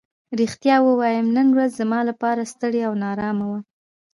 رښتیا ووایم نن ورځ زما لپاره ستړې او نا ارامه وه.